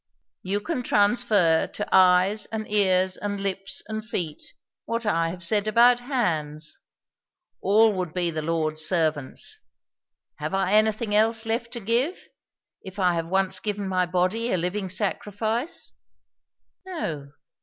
"You can transfer to eyes and ears and lips and feet what I have said about hands. All would be the Lord's servants. Have I anything else left to give, if I have once given my body a living sacrifice?" "No.